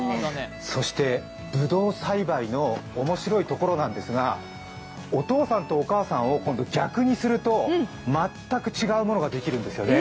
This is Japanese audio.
そして、ぶどう栽培の面白いところなんですが、お父さんとお母さんを逆にすると全く違うものができるんですよね。